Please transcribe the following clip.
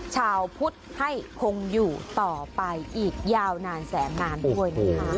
ชาวพุทธให้คงอยู่ต่อไปอีกยาวนานแสนนานด้วยนะคะ